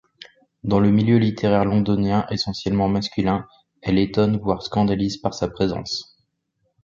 Dans le milieu littéraire londonien essentiellement masculin, elle étonne voire scandalise par sa présence.